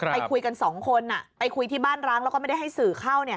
ไปคุยกัน๒คนไปคุยที่บ้านร้างแล้วก็ไม่ได้ให้สื่อเข้า